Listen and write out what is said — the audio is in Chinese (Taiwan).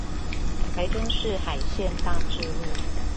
台中市海線大智路